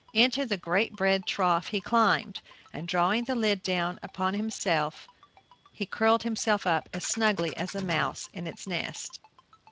Into the great bread trough he climbed, and drawing the lid down upon him, curled himself up as snugly as a mouse in its nest.